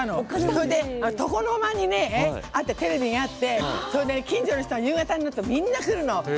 それで、床の間にテレビがあって近所の人が夕方になるとみんな来るの！